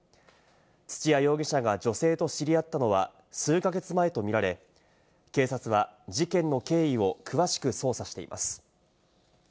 土屋容疑者が女性と知り合ったのは数か月前と見られ、警察は事件の経緯を詳しく捜査しています。